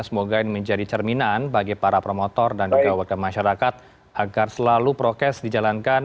semoga ini menjadi cerminan bagi para promotor dan juga warga masyarakat agar selalu prokes dijalankan